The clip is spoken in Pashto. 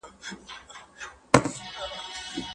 د هیڅ چا خبره به یې نه پرېکوله.